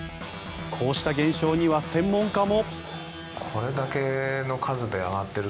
こうした現象には専門家も。